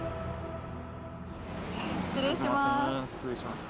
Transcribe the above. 失礼します。